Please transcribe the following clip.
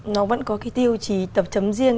nó vẫn có cái tiêu chí tập chấm riêng